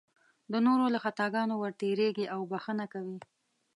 د نورو له خطاګانو ورتېرېږي او بښنه کوي.